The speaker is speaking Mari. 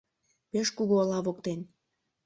Пеш кугу ола воктен